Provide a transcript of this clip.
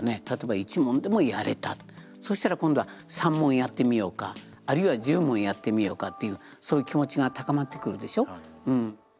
例えば１問でもやれたそしたら今度は３問やってみようかあるいは１０問やってみようかっていうそういう気持ちが高まってくるでしょ。